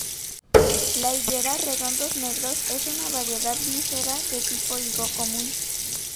La higuera 'Redondos Negros' es una variedad "bífera" de tipo higo común.